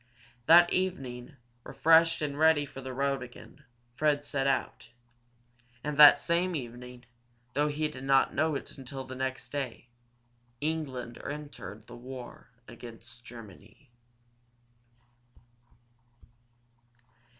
That evening, refreshed and ready for the road again, Fred set out. And that same evening, though he did not know it until the next day, England entered the war against Germany.